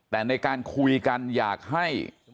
แต่ในการคุยกันอยากให้